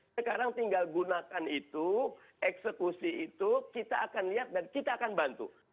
sekarang tinggal gunakan itu eksekusi itu kita akan lihat dan kita akan bantu